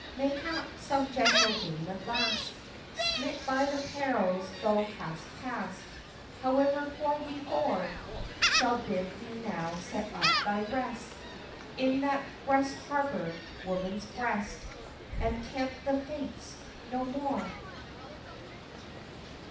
XXXII. Mayhap, some gentle dame at last, Smit by the perils thou hast pass'd. However coy before, Shall bid thee now set up thy rest In that Brest Harbor, woman's breast, And tempt the Fates no more!